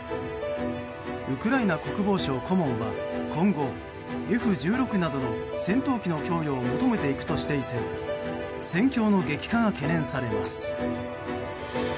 ウクライナ国防省顧問は今後Ｆ１６などの戦闘機の供与を求めていくとしていて戦況の激化が懸念されます。